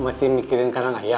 masih mikirin kandang ayam